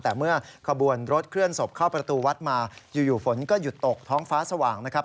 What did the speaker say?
แต่เมื่อขบวนรถเคลื่อนศพเข้าประตูวัดมาอยู่ฝนก็หยุดตกท้องฟ้าสว่างนะครับ